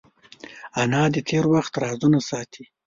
انا د تېر وخت رازونه ساتي